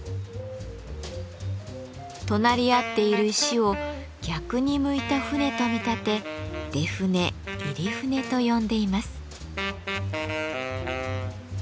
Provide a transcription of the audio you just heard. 隣り合っている石を逆に向いた船と見立て「出船入船」と呼んでいます。